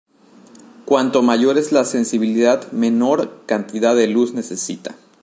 Cuanto mayor es la sensibilidad, menor cantidad de luz necesita.